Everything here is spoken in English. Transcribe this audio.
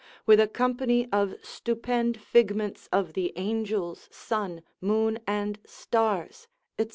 with a company of stupend figments of the angels, sun, moon, and stars, &c.